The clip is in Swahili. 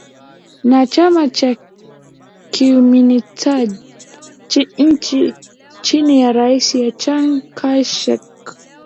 Na chama cha Kiumintang chini ya rais Chiang Kai Shek